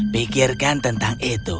pikirkan tentang itu